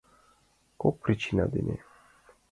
— Кок причина дене.